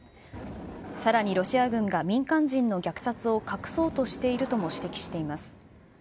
さらにロシア軍が民間人の虐殺を隠そうとしているとも指摘しています。